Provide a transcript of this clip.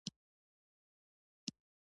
زموږ دواړو طبیعت تقریباً یو ډول وو.